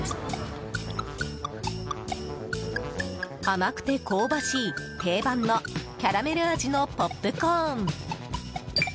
甘くて香ばしい定番のキャラメル味のポップコーン。